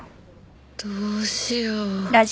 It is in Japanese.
どうしよう。